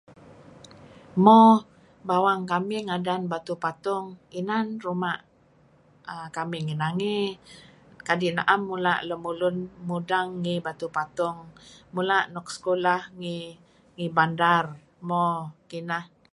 Mo, bawang kamih ngadan Batuh Patung. Inan ruma' ahh kamih... nigh nangey kadi' na'em mula' kamih Lemulun mudeng ngih Batuh Patung. Mula' nuk sekulh ngih Bandar. Mo kineh.